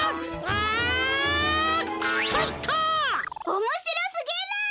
おもしろすぎる！